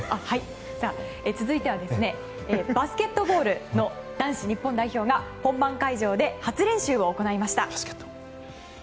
続いてはバスケットボールの男子日本代表が本番会場で初練習を行いました。